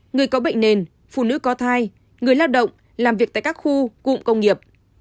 người có bệnh nền phụ nữ có thai người lao động làm việc tại các khu cụm công nghiệp